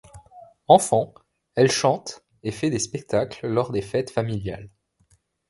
Enfant, elle chante et fait des spectacles lors des fêtes familiales.